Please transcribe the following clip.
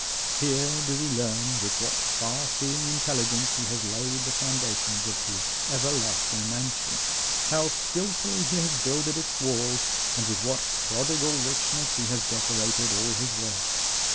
Here do we learn with what far seeing intelligence he has laid the foundations of his everlasting mansion, how skillfully he has builded its walls, and with what prodigal richness he has decorated all his works.